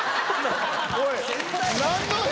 おい！